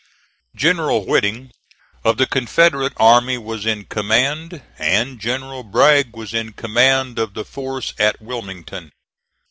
General Whiting of the Confederate army was in command, and General Bragg was in command of the force at Wilmington.